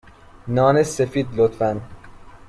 نان سفید، لطفا.